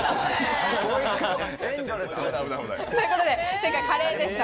正解はカレーでした。